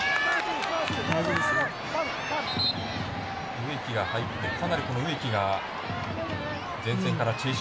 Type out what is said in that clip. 植木が入って、かなり植木が前線から。